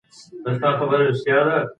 د وليمي مجلسونه بايد له منکراتو څخه پاک وي.